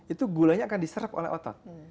itu gulanya akan diserap oleh otot